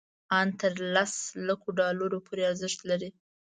ان تر لس لکو ډالرو پورې ارزښت لري.